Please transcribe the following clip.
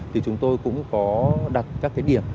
thì chúng tôi cũng có đặt các điểm